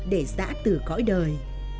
để giã từ cõi đời